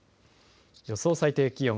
予想最低気温。